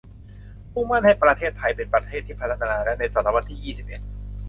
มุ่งมั่นให้ประเทศไทยเป็นประเทศที่พัฒนาแล้วในศตวรรษที่ยี่สิบเอ็ด